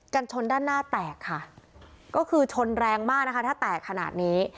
ชนด้านหน้าแตกค่ะก็คือชนแรงมากนะคะถ้าแตกขนาดนี้